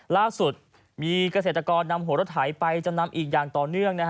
ล่าสุดมีเกษตรกรนำหัวรถไถไปจำนำอีกอย่างต่อเนื่อง